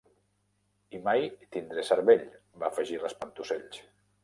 "I mai tindré cervell", va afegir l'Espantaocells.